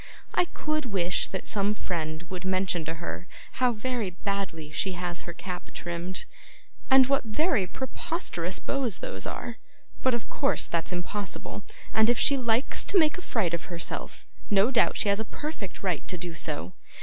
I could wish that some friend would mention to her how very badly she has her cap trimmed, and what very preposterous bows those are, but of course that's impossible, and if she likes to make a fright of herself, no doubt she has a perfect right to do so.